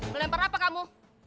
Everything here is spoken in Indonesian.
melempar apa kamu